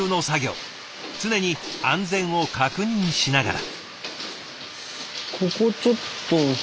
常に安全を確認しながら。